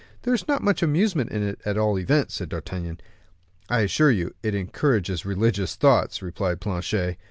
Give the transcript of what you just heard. "There is not much amusement in it, at all events," said D'Artagnan. "I assure you it encourages religious thoughts," replied Planchet.